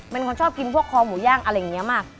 เป็นคนชอบกินพวกคอหมูย่างอะไรอย่างนี้มาก